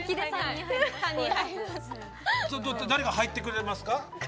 誰か入ってくれますか？